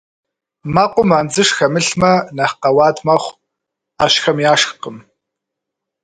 Мэкъум андзыш хэмылъмэ нэхъ къэуат мэхъу, ӏэщхэм яшхкъым.